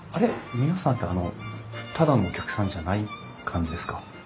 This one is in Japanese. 皆さんってあのただのお客さんじゃない感じですか？